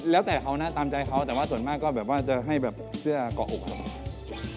แล้วแต่เขานะตามใจเขาแต่ว่าส่วนมากก็แบบว่าจะให้แบบเสื้อเกาะอกครับ